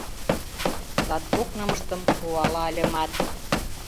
Латкок нымыштым руалальымат